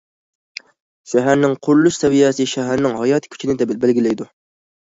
شەھەرنىڭ قۇرۇلۇش سەۋىيەسى شەھەرنىڭ ھاياتىي كۈچىنى بەلگىلەيدۇ.